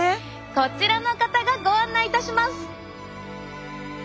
こちらの方がご案内いたします。